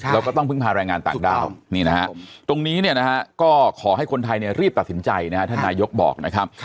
เราก็ต้องพึ่งพาแรงงานต่างดาวตรงนี้ขอให้คนไทยรีบตัดสินใจห่างถังนายกบอก